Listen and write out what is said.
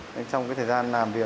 mỗi con không rời